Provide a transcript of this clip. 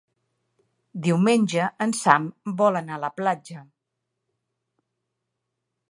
Diumenge en Sam vol anar a la platja.